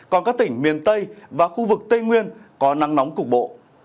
còn các tỉnh miền tây và khu vực tây nguyên có nắng nóng cục bộ